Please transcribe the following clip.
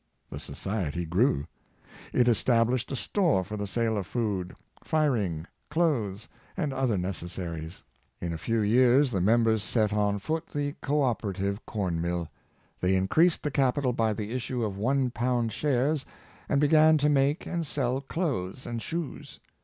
The society grew. It established a store for the sale of food, firing, clothes and other neces saries. In a few years the members set on foot the Co operative Corn mill. They increased the capital by the issue of one pound shares and began to make and sell clothes and shoes.